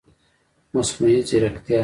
مصنوعي ځرکتیا